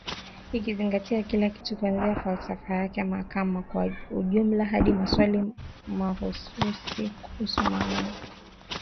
Ikizingatia kila kitu kuanzia falsafa yake ya mahakama kwa ujumla hadi maswali mahususi kuhusu maamuzi ambayo aliyoyatoa